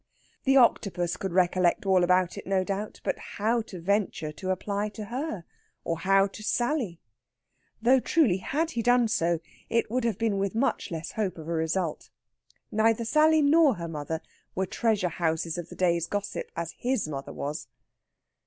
The Octopus could recollect all about it no doubt, but how venture to apply to her? Or how to Sally? Though, truly, had he done so, it would have been with much less hope of a result. Neither Sally nor her mother were treasure houses of the day's gossip, as his mother was.